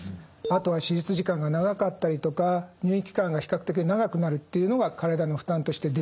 あとは手術時間が長かったりとか入院期間が比較的長くなるというのが体の負担としてデメリットになります。